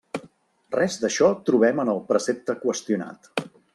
Res d'això trobem en el precepte qüestionat.